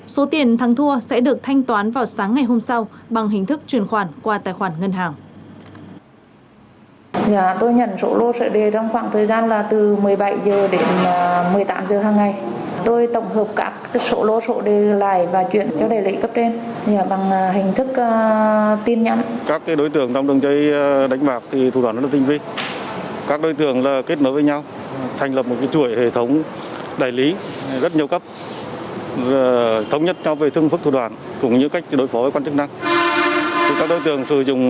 số tiền thắng thua sẽ được thanh toán vào sáng ngày hôm sau bằng hình thức truyền khoản qua tài khoản ngân hàng